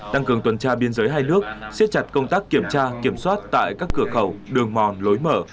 tăng cường tuần tra biên giới hai nước siết chặt công tác kiểm tra kiểm soát tại các cửa khẩu đường mòn lối mở